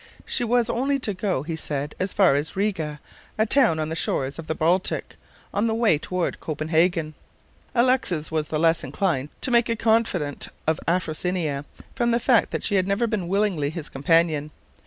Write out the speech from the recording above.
She was only to go, he said, as far as Riga, a town on the shores of the Baltic, on the way toward Copenhagen. Alexis was the less inclined to make a confidante of Afrosinia from the fact that she had never been willingly his companion.